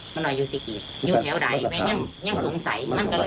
มันน่อยอยู่สิกิตอยู่แถวไหนมันยังสงสัย